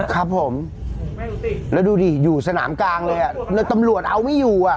ครับผมแล้วดูดิอยู่สนามกลางเลยอ่ะแล้วตำรวจเอาไม่อยู่อ่ะ